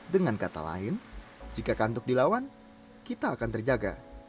dengan kata lain jika kantuk dilawan kita akan terjaga